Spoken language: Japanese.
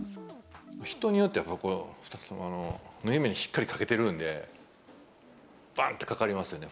人によっては、やっぱ、縫い目にしっかりかけてるんで、ばんってかかりますよね。